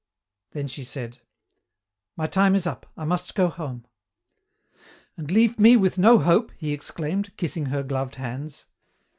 Then she said, "My time is up. I must go home." "And leave me with no hope?" he exclaimed, kissing her gloved hands.